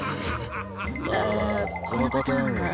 ああこのパターンは。